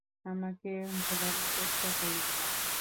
আমাকে ভুলানোর চেষ্টা করবি না।